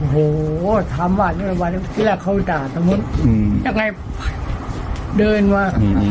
โอ้โหถามว่านี่แหละเขาด่ายังไงเดินมา